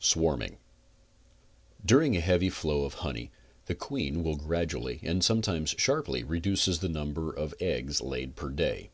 SWARMING During a heavy flow of honey the queen gradually and some times sharply reduces the number of eggs laid per day.